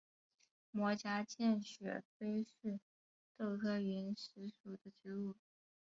膜荚见血飞是豆科云实属的植物。